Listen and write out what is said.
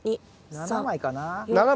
７枚かな。